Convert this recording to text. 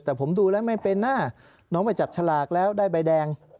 แต่ผมดูแล้วไม่เป็นนะน้องไปจับฉลากแล้วได้ใบแดง